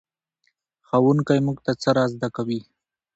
ښوونکی موږ ته څه را زده کوي؟